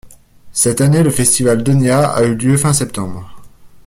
Cette année le festival Donia a eu lieu fin septembre.